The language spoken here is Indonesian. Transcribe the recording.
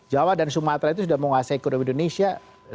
jawa dan sumatera itu sudah menguasai ekonomi indonesia